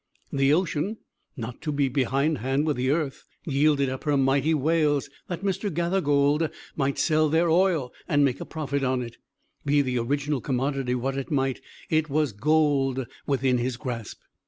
The ocean, not to be behindhand with the earth, yielded up her mighty whales, that Mr. Gathergold might sell their oil, and make a profit on it. Be the original commodity what it might, it was gold within his grasp.